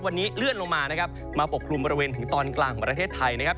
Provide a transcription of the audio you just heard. วันนี้เลื่อนลงมานะครับมาปกคลุมบริเวณถึงตอนกลางของประเทศไทยนะครับ